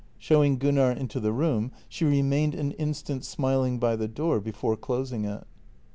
Showing Gunnar into the room, she remained an instant smiling by the door before closing it.